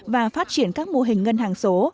và phát triển các mô hình ngân hàng số